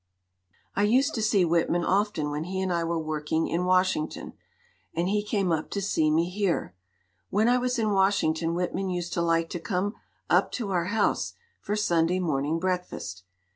"I used to see Whitman often when he and I were working in Washington. And he came up to see me here. When I was in Washington 218 CITY LIFE PS. LITERATURE Whitman used to like to come up to our house for Sunday morning breakfast.